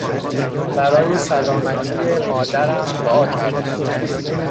برای سلامتی مادرم دعا کردم.